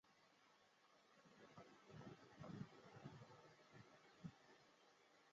这种蝴蝶翅膀上的还有不规则斑点。